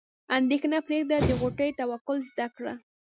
اندیښنه پرېږده د غوټۍ توکل زده کړه.